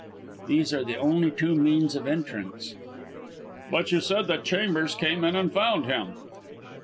These are the only two means of entrance." "But you said that Chambers came in and found him."